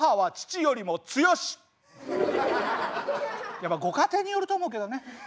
やっぱご家庭によると思うけどね。